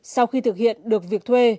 sau khi thực hiện được việc thuê